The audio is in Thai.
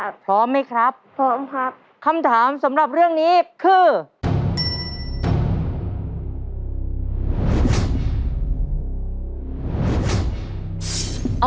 พร้อมไหมครับพร้อมครับคำถามสำหรับเรื่องนี้คือ